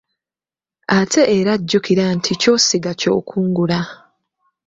Ate era jjukira nti ky'osiga ky'okungula.